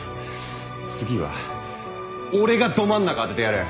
次は俺がど真ん中当ててやる。